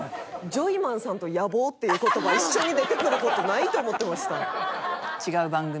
「ジョイマンさん」と「野望」っていう言葉一緒に出てくる事ないと思ってました。